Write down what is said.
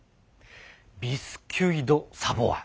ビスキュイ・ド・サヴォワ。